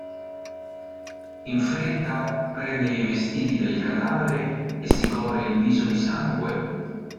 In fretta prende i vestiti del cadavere e si copre il viso di sangue.